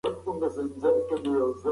کتابونه باید په ډېر احتیاط سره وکارول سي.